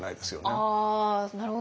ああなるほど。